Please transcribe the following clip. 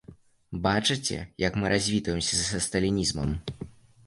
Бачыце, як мы развітваемся са сталінізмам?